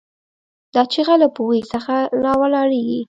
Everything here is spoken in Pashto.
دا چیغه له پوهې څخه راولاړېږي.